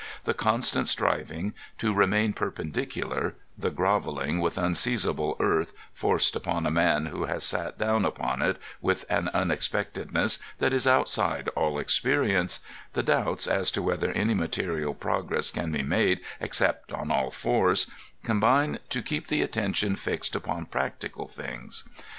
The constant striving to remain perpendicular, the grovelling with unseizable earth forced upon a man who has sat down upon it with an unexpectedness that is outside all experience, the doubts as to whether any material progress can be made except on all fours, combine to keep the attention fixed upon practical things.